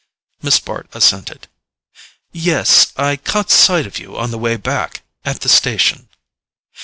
Miss Bart assented. "Yes—I caught sight of you on the way back, at the station."